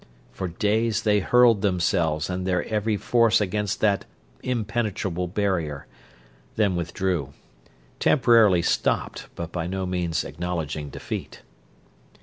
For days they hurled themselves and their every force against that impenetrable barrier, then withdrew: temporarily stopped, but by no means acknowledging defeat.